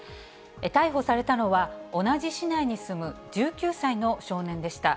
逮捕されたのは、同じ市内に住む１９歳の少年でした。